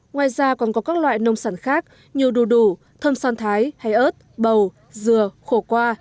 ngoài ra còn có các loại nông sản khác như đù đủ thơm son thái hay ớt bầu dừa khổ qua